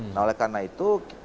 nah karena itu